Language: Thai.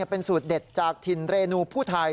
เป็นสูตรเด็ดจากถิ่นเรนูผู้ไทย